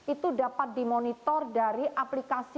itu dapat dimonitor dari aplikasi